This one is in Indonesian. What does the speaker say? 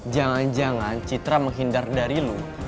jangan jangan citra menghindar dari lu